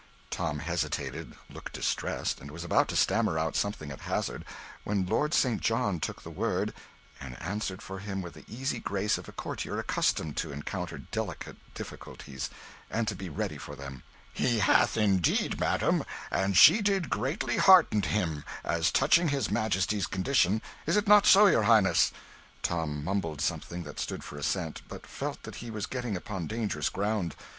Tom hesitated, looked distressed, and was about to stammer out something at hazard, when Lord St. John took the word and answered for him with the easy grace of a courtier accustomed to encounter delicate difficulties and to be ready for them "He hath indeed, madam, and she did greatly hearten him, as touching his majesty's condition; is it not so, your highness?" Tom mumbled something that stood for assent, but felt that he was getting upon dangerous ground.